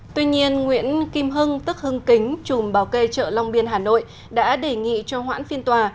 tuy nhiên nguyễn kim hưng tức hưng kính chùm bảo kê chợ long biên hà nội đã đề nghị cho hoãn phiên tòa